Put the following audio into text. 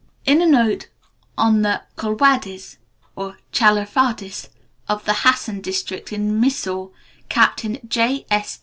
In a note on the Kulwadis or Chalavadis of the Hassan district in Mysore, Captain J.